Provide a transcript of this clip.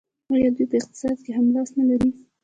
آیا دوی په اقتصاد کې هم لاس نلري؟